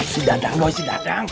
si dadan doi si dadan